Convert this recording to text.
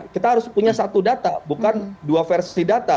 kita harus punya satu data bukan dua versi data